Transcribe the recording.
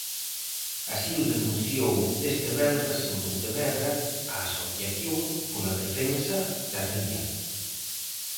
Así o denunciou este venres en Pontevedra a Asociación pola Defensa da Ría.